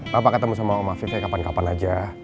papa ketemu sama om afif ya kapan kapan aja